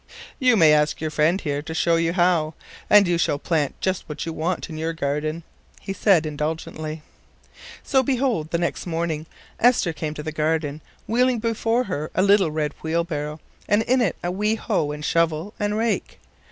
"You may ask your friend here to show you how, and you shall plant just what you want in your garden," he said indulgently. So, behold, the next morning Esther came to the garden wheeling before her a little red wheelbarrow, and in it a wee hoe and shovel and rake.